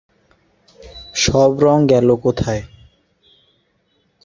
সব রঙ গেল কোথায়?